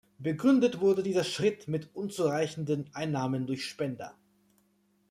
Begründet wurde dieser Schritt mit unzureichenden Einnahmen durch Spender.